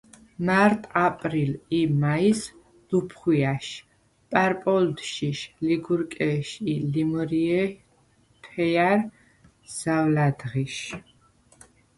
მა̈რტ, აპრილ ი მა̈ის – ლუფხუ̂ჲა̈შ, პა̈რპო̄ლდშიშ, ლიგურკე̄შ ი ლიმჷრჲე̄ თუ̂ეჲა̈რ – ზაუ̂ლა̈დღიშ,